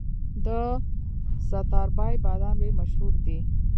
د ستاربای بادام ډیر مشهور دي.